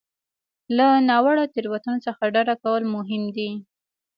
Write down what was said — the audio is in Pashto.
له ناوړه تېروتنو څخه ډډه کول مهم دي.